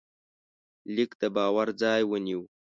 لیک د باور ځای ونیو.